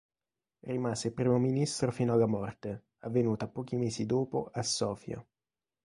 Rimase Primo Ministro fino alla morte, avvenuta pochi mesi dopo a Sofia.